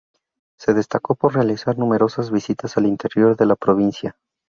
Se destacó por realizar numerosas visitas al interior de la provincia.